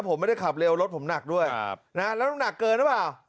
ผมไม่ได้ขับเร็วรถผมหนักด้วยแล้วน้ำหนักเกินหรือเปล่า